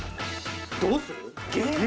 どうする？